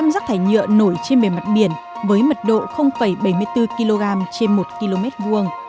một rắc thải nhựa nổi trên bề mặt biển với mật độ bảy mươi bốn kg trên một km vuông